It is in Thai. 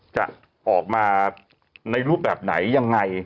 จะออกมาในรูปแบบไหนยังไง